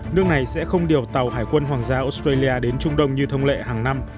nước này sẽ không điều tàu hải quân hoàng gia australia đến trung đông như thông lệ hàng năm